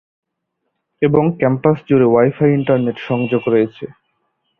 এবং ক্যাম্পাস জুড়ে wifi internet সংযোগ রয়েছে।